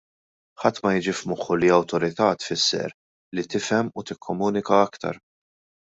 Ħadd ma jiġi f'moħħu li awtorità tfisser li tifhem u tikkomunika aktar.